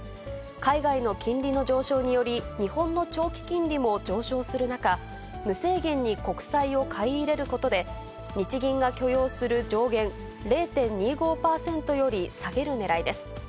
海外の金利の上昇により、日本の長期金利も上昇する中、無制限に国債を買い入れることで、日銀が許容する上限０．２５％より下げるねらいです。